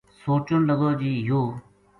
سوچن لگو جی یوہ